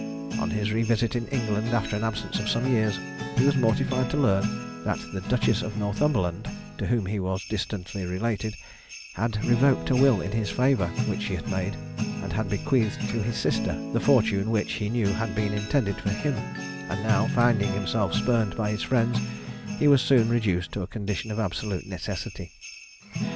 On his revisiting England, after an absence of some years, he was mortified to learn that the Duchess of Northumberland, to whom he was distantly related, had revoked a will in his favour, which she had made, and had bequeathed to his sister the fortune which, he knew, had been intended for him; and now, finding himself spurned by his friends, he was soon reduced to a condition of absolute necessity.